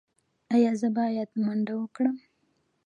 ایا زه باید منډه وکړم؟